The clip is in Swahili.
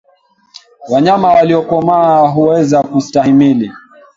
Wanyama waliokomaa huweza kustahimili